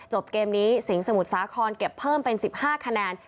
เกมนี้สิงห์สมุทรสาครเก็บเพิ่มเป็น๑๕คะแนน